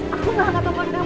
aku ngangkat pemandang